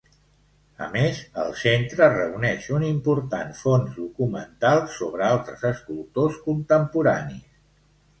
A més, el centre reuneix un important fons documental sobre altres escultors contemporanis.